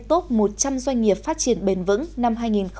tốt một trăm linh doanh nghiệp phát triển bền vững năm hai nghìn một mươi chín